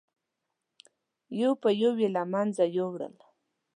یو په یو یې له منځه یووړل.